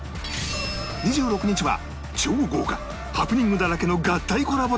２６日は超豪華ハプニングだらけの合体コラボ旅